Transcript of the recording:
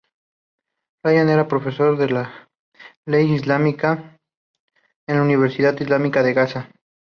Rayan era profesor de Ley Islámica en la Universidad Islámica de Gaza.